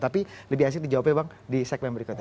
tapi lebih asik dijawabnya bang di segmen berikutnya